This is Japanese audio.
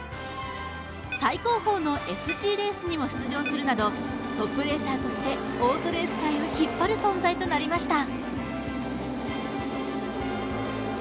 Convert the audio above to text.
最高峰のＳＧレースにも出場するなどトップレーサーとしてオートレース界を引っ張る存在となりました。